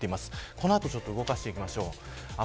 この後、動かしていきます。